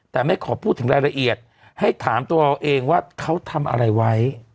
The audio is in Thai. แต่ไม่ขอพูดถึงรายละเอียดให้ถามตัวเราเองว่าเขาทำอะไรไว้